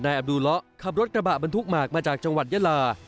อับดูเลาะขับรถกระบะบรรทุกหมากมาจากจังหวัดยาลา